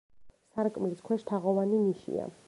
სარკმლის ქვეშ თაღოვანი ნიშია.